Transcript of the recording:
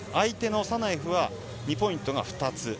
サナエフは２ポイントの２つ。